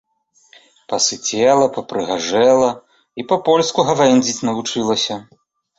Пасыцела, папрыгажэла і па-польску гавэндзіць навучылася!